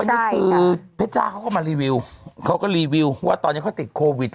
อันนี้คือเพชรจ้าเขาก็มารีวิวเขาก็รีวิวว่าตอนนี้เขาติดโควิด